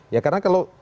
ya karena kalau